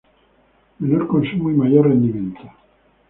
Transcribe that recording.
Menor consumo y mayor rendimiento.